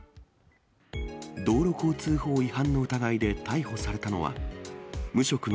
道路交通法違反の疑いで逮捕されたのは、無職の